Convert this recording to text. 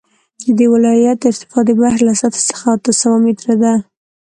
د دې ولایت ارتفاع د بحر له سطحې څخه اته سوه متره ده